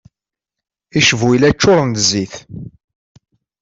Icbuyla ččuren d zzit.